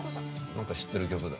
何か知ってる曲だ。